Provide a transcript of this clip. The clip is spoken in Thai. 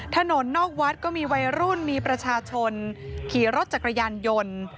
ถนนนอกวัดก็มีวัยรุ่นมีประชาชนขี่รถจักรยานยนต์